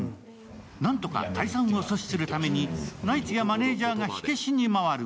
なんとか解散を阻止するためにナイツやマネージャーが火消しに回る。